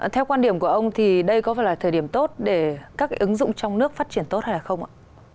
theo quan điểm của ông thì đây có phải là thời điểm tốt để các ứng dụng trong nước phát triển tốt hay không ạ